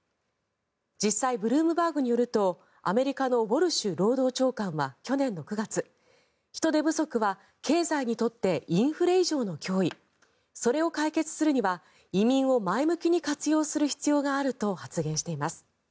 実際、ブルームバーグによるとアメリカのウォルシュ労働長官は去年の９月人手不足は経済にとってインフレ以上の脅威それを解決するには移民を前向きに活用する必要があると発言しています。